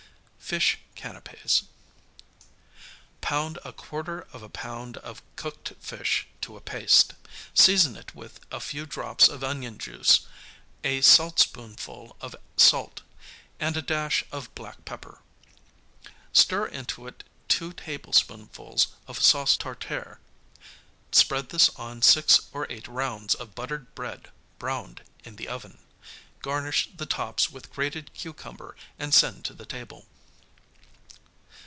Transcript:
Fish Canapķs Pound a quarter of a pound of cooked fish to a paste; season it with a few drops of onion juice, a saltspoonful of salt, and a dash of black pepper. Stir into it two tablespoonfuls of sauce tartare; spread this on six or eight rounds of buttered bread browned in the oven; garnish the tops with grated cucumber and send to the table.